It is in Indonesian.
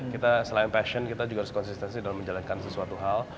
kita selain passion kita juga harus konsistensi dalam menjalankan sesuatu hal